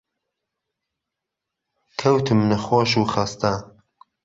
کەوتم نەخۆش و خەستە